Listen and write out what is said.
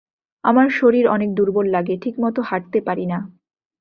আমার শরীর অনেক দূর্বল লাগে ঠিকমত হাঁটতে পারি না।